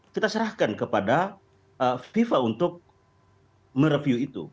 kita serahkan kepada fifa untuk mereview itu